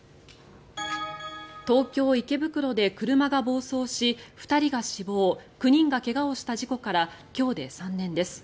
東京・池袋で車が暴走し２人が死亡９人が怪我をした事故から今日で３年です。